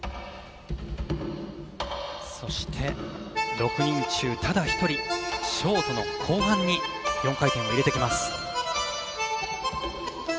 ６人中ただ１人ショートの後半に４回転を入れてきます。